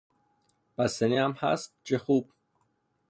بستنی هم هست؟ چه خوب!